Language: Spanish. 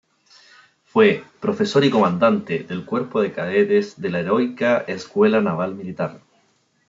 Fue profesor y comandante del cuerpo de cadetes de la heroica escuela naval militar.